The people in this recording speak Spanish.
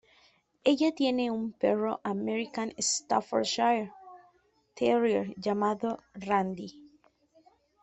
Ella tiene un perro American Staffordshire terrier llamado Randy.